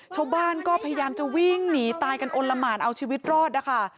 ชาวบ้านก็พยายามจะวิ่งหนีตายกันอลละหมานเอาชีวิตรอดนะคะ